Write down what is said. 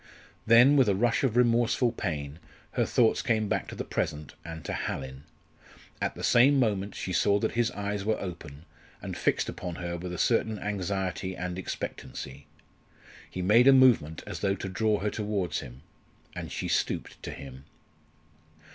Then, with a rush of remorseful pain, her thoughts came back to the present and to Hallin. At the same moment she saw that his eyes were open, and fixed upon her with a certain anxiety and expectancy. He made a movement as though to draw her towards him; and she stooped to him.